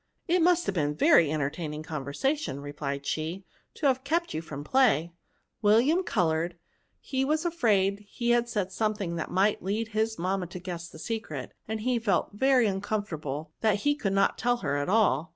" It must have been very entertaining conversation," replied she, " to have kept you from play." WiUiam coloured ; he was afraid he had said something that might lead his mamma to guess the secret, aiid he felt very uncomfortable that he could not tell her all.